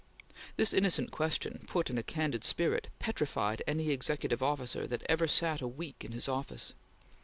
This innocent question, put in a candid spirit, petrified any executive officer that ever sat a week in his office.